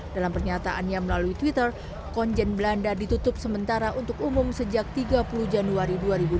dalam pernyataannya melalui twitter konjen belanda ditutup sementara untuk umum sejak tiga puluh januari dua ribu dua puluh